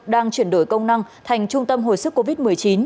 đang chuyển đổi công năng thành trung tâm hồi sức covid một mươi chín